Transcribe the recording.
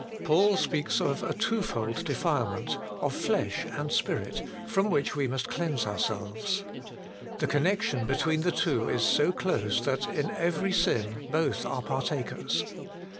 Paul speaks of a twofold defilement, of flesh and spirit, from which we must cleanse ourselves. The connection between the two is so close, that in every sin both are partakers.